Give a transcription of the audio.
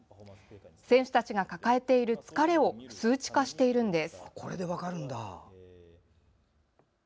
選手たちが抱えている疲れを数値化しているんです。